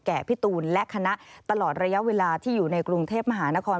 พี่ตูนและคณะตลอดระยะเวลาที่อยู่ในกรุงเทพมหานคร